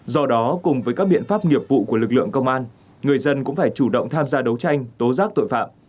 do đó cùng với các biện pháp nghiệp vụ của lực lượng công an người dân cũng phải chủ động tham gia đấu tranh tố giác tội phạm